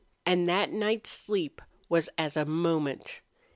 And that night's sleep was as a moment.